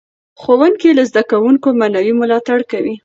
ښوونکي له زده کوونکو معنوي ملاتړ کوي.